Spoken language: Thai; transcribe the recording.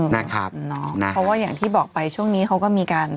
เพราะว่าอย่างที่บอกไปช่วงนี้เขาก็มีการ